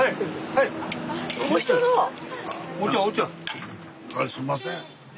はいすんません。